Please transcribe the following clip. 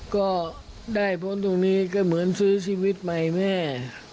ก็ได้พ้นตรงนี้ก็เหมือนซื้อชีวิตใหม่แม่